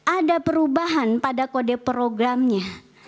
ada perubahan pada kode programnya